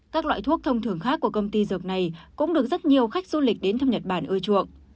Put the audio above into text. các loại thuốc thông thường khác của công ty dược này cũng được rất nhiều khách du lịch đến thăm nhật bản ưa chuộng